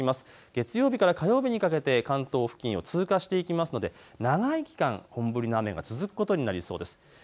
月曜日から火曜日にかけて関東を通過していきますので長い期間、本降りの雨が続くことになりそうです。